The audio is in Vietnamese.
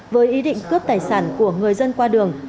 với ý định cướp tài sản của người dân qua đường